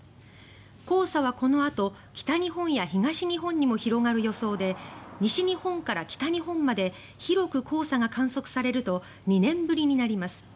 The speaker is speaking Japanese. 黄砂は、このあと北日本や東日本にも広がる予想で西日本から北日本まで広く黄砂が観測されると２年ぶりになります。